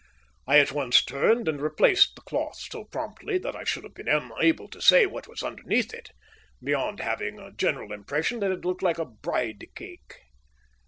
I at once turned, and replaced the cloth so promptly that I should have been unable to say what was underneath it, beyond having a general impression that it looked like a bride cake.